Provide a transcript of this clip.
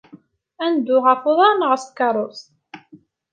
Ad neddu ɣef uḍar neɣ s tkeṛṛust?